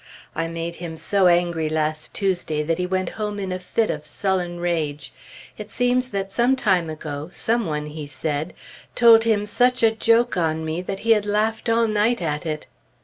I made him so angry last Tuesday that he went home in a fit of sullen rage. It seems that some time ago, some one, he said, told him such a joke on me that he had laughed all night at it.